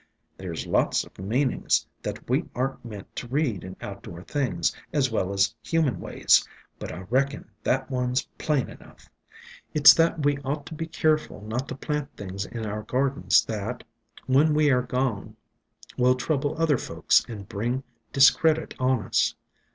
"There 's lots of meanings 92 ESCAPED FROM GARDENS that we are n't meant to read in outdoor things as well as human ways, but I reckon that one 's plain enough. It 's that we ought to be keerful not to plant things in our gardens that, when we air gone, will trouble other folks and bring discredit on us."